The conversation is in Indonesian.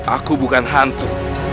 aku bukan hantu